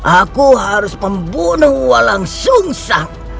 aku harus membunuh walang sungsang